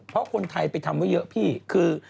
เพราะคนไทยไปทำไว้เยอะพี่คือ